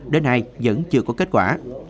đến nay vẫn chưa có kết quả